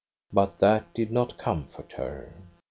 * But that did not comfort her.